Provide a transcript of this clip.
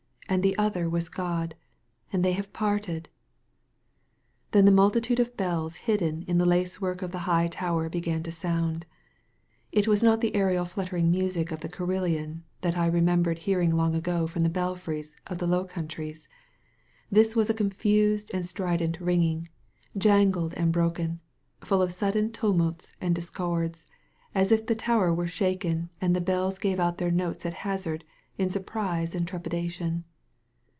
And thp other was God! And they have parted !" Then the multitude of bells hidden in the lace work of the high tower began to sound. It was not the aerial fluttering music of the carillon that I remembered hearing long ago from the belfries of the Low Countries. This was a confused and stri d^it ringing, jangled and broken, full of sudden tumults and discords, as if the tower were shaken and the bells gave out their notes at hazard, in sur prise and trepidation.